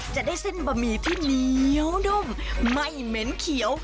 จะได้เส้นบะหมี่ที่เหนียวนุ่มไม่เหม็นเขียว